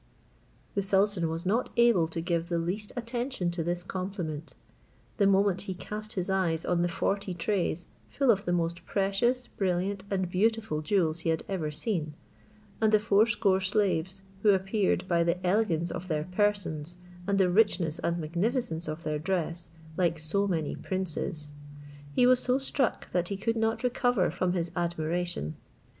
The sultan was not able to give the least attention to this compliment. The moment he cast his eyes on the forty trays, full of the most precious, brilliant, and beautiful jewels he had ever seen, and the fourscore slaves, who appeared by the elegance of their persons, and the richness and magnificence of their dress, like so many princes, he was so struck, that he could not recover from his admiration.